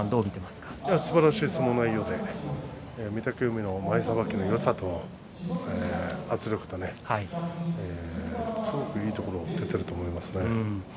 すばらしい相撲内容で御嶽海の前さばきのよさと圧力といいところが出ていると思います。